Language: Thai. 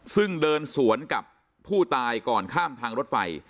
ซึ่งเดินสวนกับผู้ตายก่อนข้ามทางรถไฟ